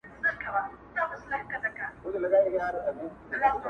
مېلمانه د دوکاندار پر دسترخوان وه؛